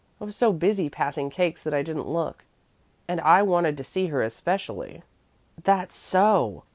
I was so busy passing cakes that I didn't look, and I wanted to see her especially!" "That's so!"